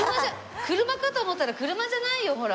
車かと思ったら車じゃないよほら。